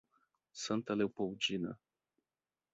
Santa Leopoldina